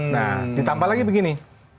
nah ditambah lagi begini